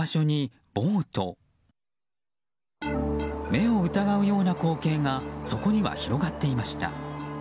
目を疑うような光景がそこには広がっていました。